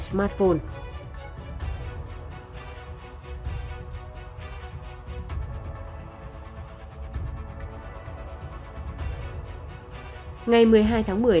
lòng vào trong nhà lấy đi hai chiếc điện thoại